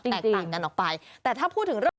แตกต่างกันออกไปแต่ถ้าพูดถึงเรื่อง